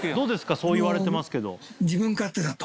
そう言われてますけど。